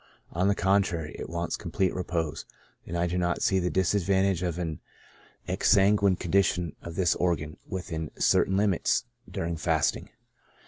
On the contrary, it wants complete repose, and I do not see the disadvantage of an exsanguined condition of this organ, within certain limits, during fasting.